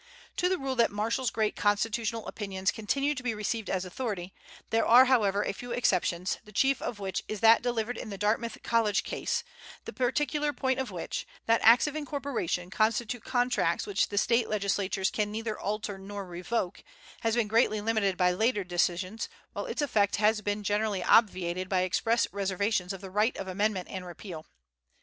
To the rule that Marshall's great constitutional opinions continue to be received as authority, there are, however, a few exceptions, the chief of which is that delivered in the Dartmouth College Case, the particular point of which that acts of incorporation constitute contracts which the State legislatures can neither alter nor revoke has been greatly limited by later decisions, while its effect has been generally obviated by express reservations of the right of amendment and repeal.